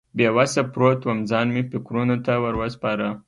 بې وسه پروت وم، ځان مې فکرونو ته ور وسپاره.